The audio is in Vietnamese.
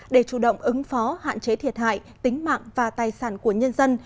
để chủ động ứng phó hạn chế thiệt hại tính mạng và tài sản của nhân dân